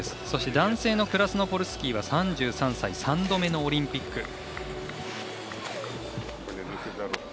そして、男性のクラスノポルスキーは３３歳、３度目のオリンピック。